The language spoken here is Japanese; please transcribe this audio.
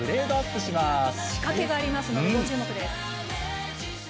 しかけがありますのでご注目です。